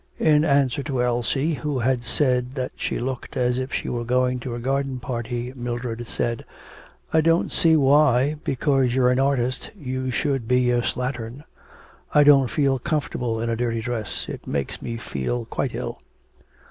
In answer to Elsie, who had said that she looked as if she were going to a garden party, Mildred said: 'I don't see why, because you're an artist, you should be a slattern. I don't feel comfortable in a dirty dress. It makes me feel quite ill.'